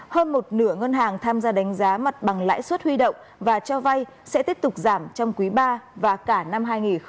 hơn một nửa ngân hàng tham gia đánh giá mặt bằng lãi suất huy động và cho vay sẽ tiếp tục giảm trong quý ba và cả năm hai nghìn hai mươi